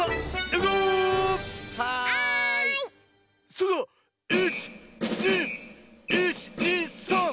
それでは１２１２３！